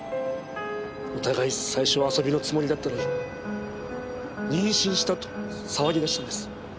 お互い最初は遊びのつもりだったのに妊娠したと騒ぎ出したんです。